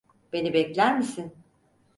Beni bekler misin?